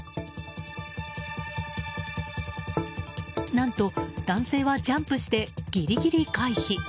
何と男性はジャンプしてギリギリ回避。